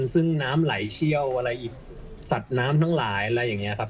ซึ่งน้ำไหลเชี่ยวอะไรอีกสัตว์น้ำทั้งหลายอะไรอย่างนี้ครับ